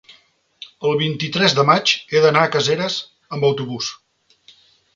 el vint-i-tres de maig he d'anar a Caseres amb autobús.